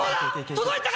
届いたか？